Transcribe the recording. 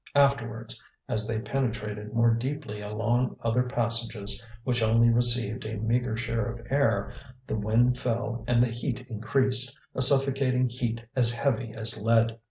Afterwards, as they penetrated more deeply along other passages which only received a meagre share of air, the wind fell and the heat increased, a suffocating heat as heavy as lead.